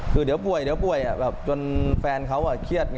คือเดี๋ยวป่วยเดี๋ยวป่วยจนแฟนเขาเครียด